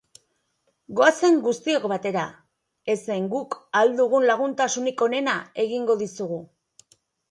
Goazen guztiok batera, ezen guk ahal dugun laguntasunik onena egingo dizugu.